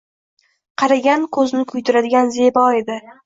Qaragan ko`zni kuydiradigan zebo edi